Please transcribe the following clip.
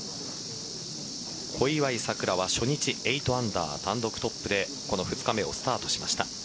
小祝さくらは初日８アンダー単独トップでこの２日目をスタートしました。